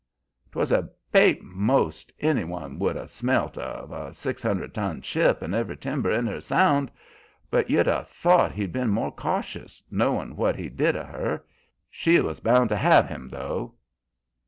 "'Twas a bait most any one would 'a' smelt of, a six hundred ton ship and every timber in her sound; but you'd 'a' thought he'd been more cautious, knowin' what he did of her. She was bound to have him, though."